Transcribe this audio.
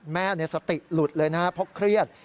แม่สติหลุดเลยนะครับเพราะเครียด